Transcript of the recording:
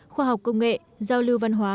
khoa học công nghệ giao lưu văn hóa